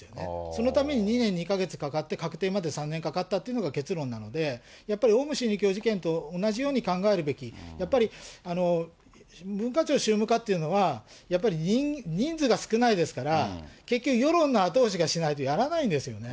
そのために２年２か月かかって確定まで３年かかったっていうのが結論なので、やっぱりオウム真理教事件と同じように考えるべき、やっぱり、文化庁宗務課っていうのは、やっぱり人数が少ないですから、結局世論の後押しをしないとやらないんですよね。